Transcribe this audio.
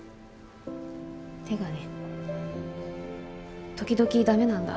手がね時々駄目なんだ。